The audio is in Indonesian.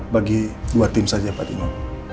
bagi dua tim saja pak dino